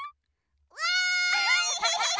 わい！